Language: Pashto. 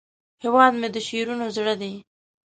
هیواد مې د شعرونو زړه دی